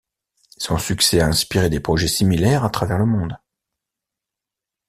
Son succès a inspiré des projets similaires à travers le monde.